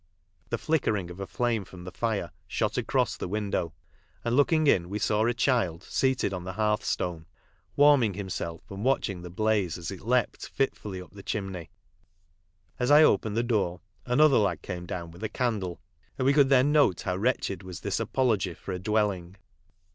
The flickering of a flame from the fire shot across the window, and looking in we saw a child seated on the hearthstone warming himself and watching the blaze as it leaped fitfully up the chimney. As I opened the door another lad came down with a candle, and we could then note how wretched was this apology for a dwelling.